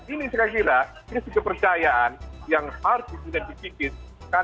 ini sekaligus krisis kepercayaan yang harus kita dipikirkan